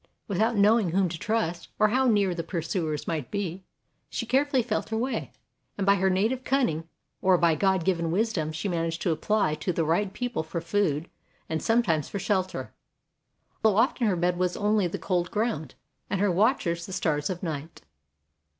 Without knowing whom to trust, or how near the pursuers might be, she carefully felt her way, and by her native cunning, or by God given wisdom she managed to apply to the right people for food, and sometimes for shelter; though often her bed was only the cold ground, and her watchers the stars of night.